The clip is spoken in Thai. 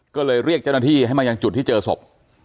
ก็เลยเรียกเจ้าหน้าที่ให้มายังจุดที่เจอศพ